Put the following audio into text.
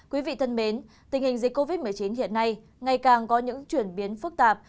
quý vị thân mến tình hình dịch covid một mươi chín hiện nay ngày càng có những chuyển biến phức tạp